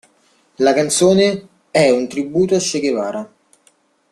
La canzone è un tributo a Che Guevara.